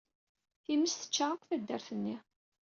Times tečča akk taddart-nni.